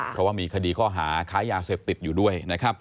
เพราะว่ามีคดีข้อหาค้ายาเสพติดอยู่ด้วยนะครับ